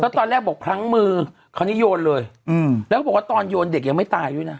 ตอนแรกบอกพลั้งมือคราวนี้โยนเลยแล้วก็บอกว่าตอนโยนเด็กยังไม่ตายด้วยนะ